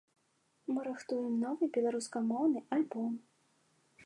Мы рыхтуем новы, беларускамоўны альбом.